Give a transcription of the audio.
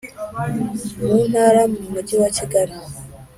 Mu ntara mu mujyi wa kigali